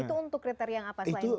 itu untuk kriteria yang apa